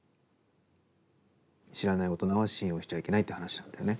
知らない大人は信用しちゃいけないって話だったよね。